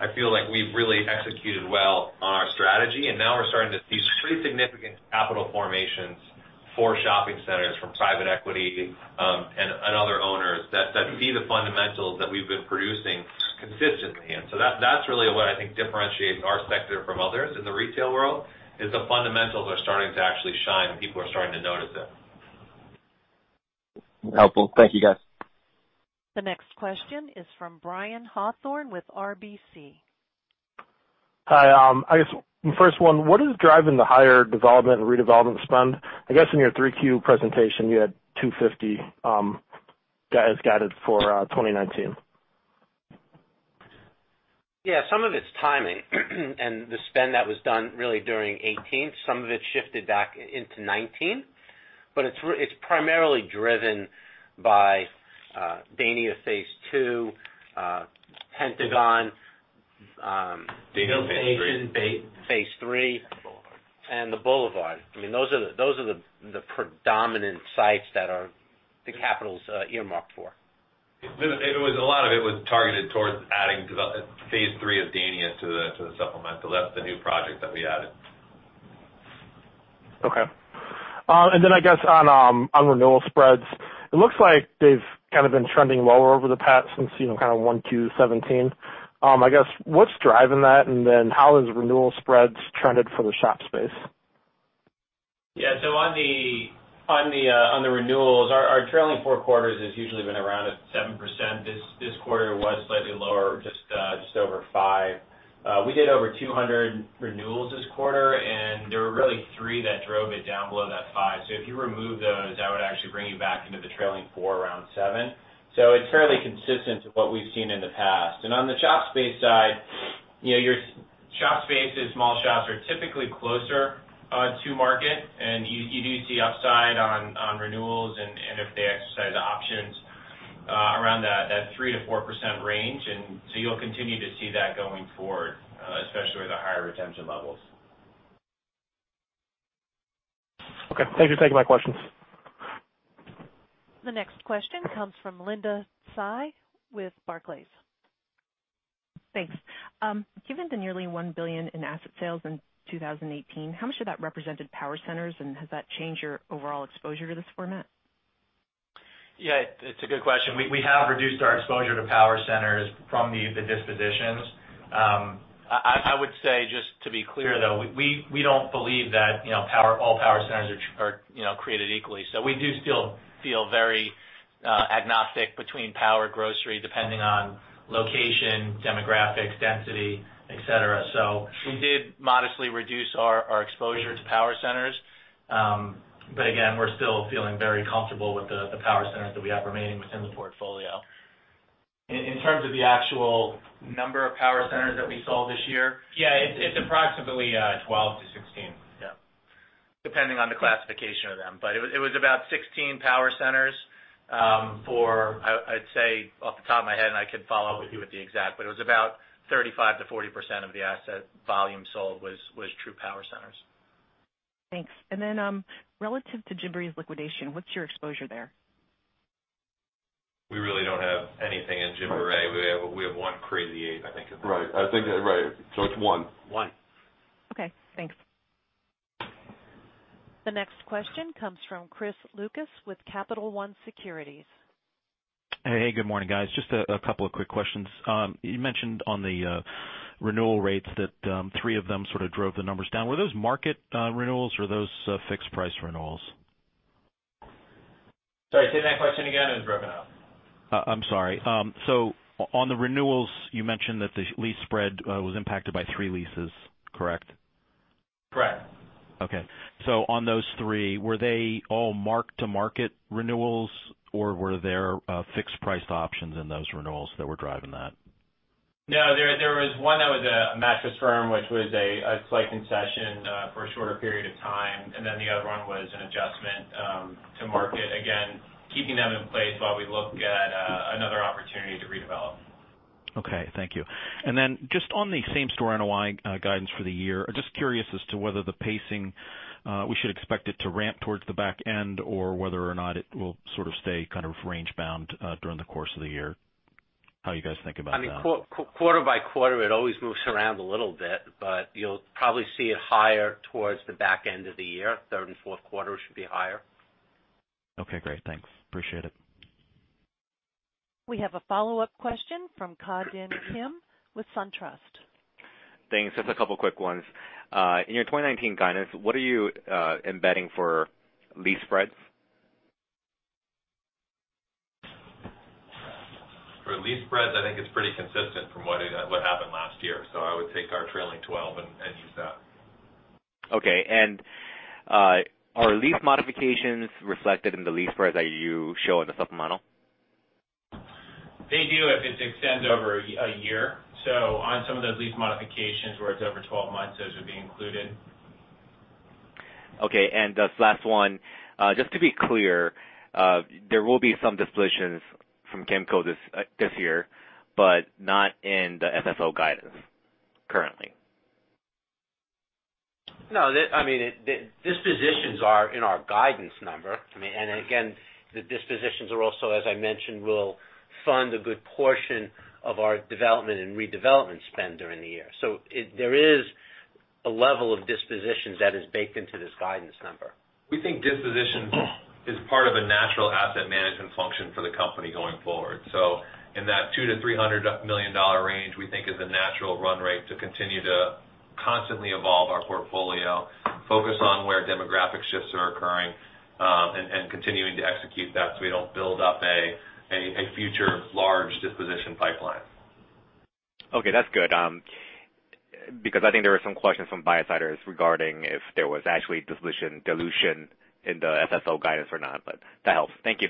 I feel like we've really executed well on our strategy, and now we're starting to see pretty significant capital formations for shopping centers from private equity and other owners that see the fundamentals that we've been producing consistently. That's really what I think differentiates our sector from others in the retail world, is the fundamentals are starting to actually shine, and people are starting to notice it. Helpful. Thank you, guys. The next question is from Brian Hawthorne with RBC. Hi. I guess first one, what is driving the higher development and redevelopment spend? I guess in your 3Q presentation, you had 250 as guided for 2019. Yeah, some of it's timing. The spend that was done really during 2018, some of it shifted back into 2019. It's primarily driven by Dania Phase II, Dania Phase III. Mill Station, Phase III. The Boulevard. The Boulevard. Those are the predominant sites that the capital's earmarked for. A lot of it was targeted towards adding Phase III of Dania to the supplemental. That's the new project that we added. Okay. I guess on renewal spreads, it looks like they've been trending lower over the past since 1Q 2017. What's driving that, and how has renewal spreads trended for the shop space? On the renewals, our trailing four quarters has usually been around at 7%. This quarter was slightly lower, just over 5%. We did over 200 renewals this quarter, and there were three that drove it down below that 5%. If you remove those, that would actually bring you back into the trailing four, around 7%. It's fairly consistent to what we've seen in the past. On the shop space side, your shop space is small shops are typically closer to market, and you do see upside on renewals and if they exercise options around that 3%-4% range. You'll continue to see that going forward, especially with the higher retention levels. Okay. Thank you for taking my questions. The next question comes from Linda Tsai with Barclays. Thanks. Given the nearly $1 billion in asset sales in 2018, how much of that represented power centers, and has that changed your overall exposure to this format? Yeah, it's a good question. We have reduced our exposure to power centers from the dispositions. I would say, just to be clear, though, we don't believe that all power centers are created equally. We do still feel very agnostic between power grocery, depending on location, demographics, density, et cetera. We did modestly reduce our exposure to power centers. Again, we're still feeling very comfortable with the power centers that we have remaining within the portfolio. In terms of the actual number of power centers that we sold this year. Yeah, it's approximately 12-16. Yeah. Depending on the classification of them. It was about 16 power centers for, I'd say off the top of my head, and I can follow up with you with the exact, it was about 35%-40% of the asset volume sold was true power centers. Thanks. Relative to Gymboree's liquidation, what's your exposure there? We really don't have anything in Gymboree. We have one Crazy 8, I think. Right. I think right. It's one. One. Okay, thanks. The next question comes from Chris Lucas with Capital One Securities. Hey, good morning, guys. Just a couple of quick questions. You mentioned on the renewal rates that three of them sort of drove the numbers down. Were those market renewals or those fixed price renewals? Sorry, say that question again. It was broken up. I'm sorry. On the renewals, you mentioned that the lease spread was impacted by three leases, correct? Correct. Okay. On those three, were they all mark-to-market renewals or were there fixed-price options in those renewals that were driving that? No, there was one that was a Mattress Firm, which was a slight concession for a shorter period of time, the other one was an adjustment to market. Again, keeping them in place while we look at another opportunity to redevelop. Okay, thank you. Just on the same-store NOI guidance for the year, just curious as to whether the pacing, we should expect it to ramp towards the back end or whether or not it will sort of stay kind of range-bound during the course of the year. How you guys think about that? I mean, quarter by quarter, it always moves around a little bit, but you'll probably see it higher towards the back end of the year. Third and fourth quarter should be higher. Okay, great. Thanks. Appreciate it. We have a follow-up question from Ki Bin Kim with SunTrust. Thanks. Just a couple quick ones. In your 2019 guidance, what are you embedding for lease spreads? For lease spreads, I think it's pretty consistent from what happened last year. I would take our trailing 12 and- Okay. Are lease modifications reflected in the lease parts that you show in the supplemental? They do if it extends over a year. On some of those lease modifications where it's over 12 months, those would be included. Okay. This last one, just to be clear, there will be some dispositions from Kimco this year, but not in the FFO guidance currently. No, the dispositions are in our guidance number. Again, the dispositions are also, as I mentioned, will fund a good portion of our development and redevelopment spend during the year. There is a level of dispositions that is baked into this guidance number. We think dispositions is part of a natural asset management function for the company going forward. In that $200 million-$300 million range, we think is a natural run rate to continue to constantly evolve our portfolio, focus on where demographic shifts are occurring, and continuing to execute that so we don't build up a future large disposition pipeline. Okay, that's good. I think there were some questions from buyersiders regarding if there was actually dilution in the FFO guidance or not, but that helps. Thank you.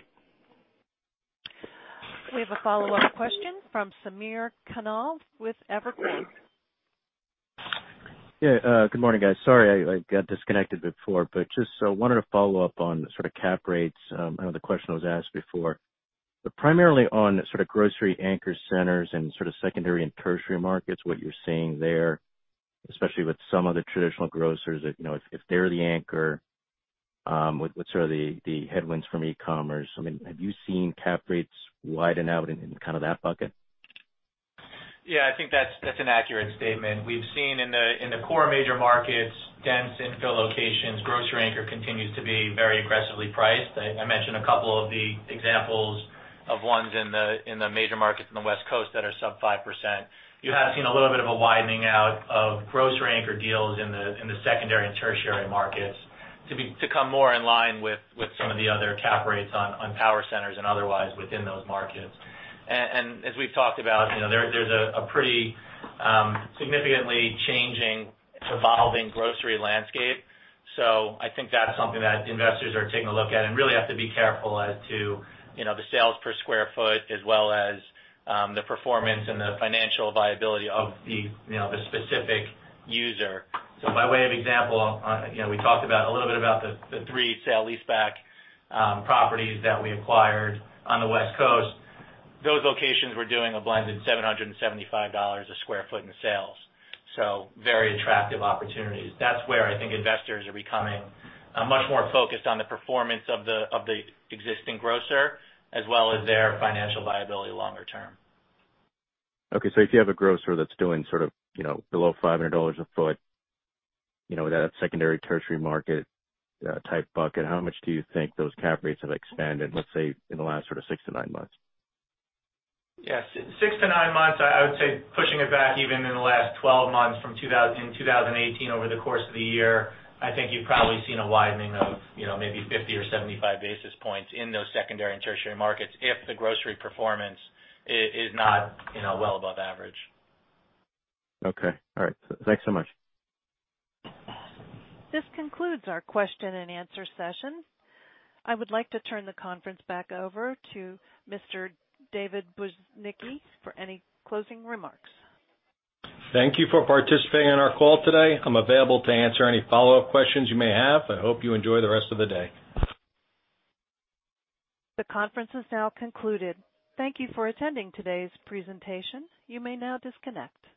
We have a follow-up question from Samir Khanal with Evercore. Good morning, guys. Sorry I got disconnected before. Just wanted to follow up on sort of cap rates. I know the question was asked before. Primarily on sort of grocery anchor centers and sort of secondary and tertiary markets, what you're seeing there, especially with some of the traditional grocers, if they're the anchor, what's sort of the headwinds from e-commerce? Have you seen cap rates widen out in kind of that bucket? I think that's an accurate statement. We've seen in the core major markets, dense infill locations, grocery anchor continues to be very aggressively priced. I mentioned a couple of the examples of ones in the major markets on the West Coast that are sub 5%. You have seen a little bit of a widening out of grocery anchor deals in the secondary and tertiary markets to come more in line with some of the other cap rates on power centers and otherwise within those markets. As we've talked about, there's a pretty significantly changing, evolving grocery landscape. I think that's something that investors are taking a look at and really have to be careful as to the sales per square foot, as well as the performance and the financial viability of the specific user. By way of example, we talked a little bit about the three sale leaseback properties that we acquired on the West Coast. Those locations were doing a blended $775 a square foot in sales. Very attractive opportunities. That's where I think investors are becoming much more focused on the performance of the existing grocer, as well as their financial viability longer term. If you have a grocer that's doing sort of below $500 a foot, that secondary tertiary market type bucket, how much do you think those cap rates have expanded, let's say, in the last sort of six to nine months? Yes. Six to nine months, I would say pushing it back even in the last 12 months in 2018 over the course of the year, I think you've probably seen a widening of maybe 50 or 75 basis points in those secondary and tertiary markets if the grocery performance is not well above average. Okay. All right. Thanks so much. This concludes our question and answer session. I would like to turn the conference back over to Mr. David Bujnicki for any closing remarks. Thank you for participating in our call today. I'm available to answer any follow-up questions you may have. I hope you enjoy the rest of the day. The conference is now concluded. Thank you for attending today's presentation. You may now disconnect.